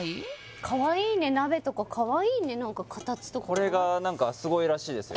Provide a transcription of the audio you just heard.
かわいいね鍋とかかわいいね何か形とかこれがすごいらしいですよ